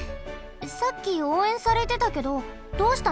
さっきおうえんされてたけどどうしたの？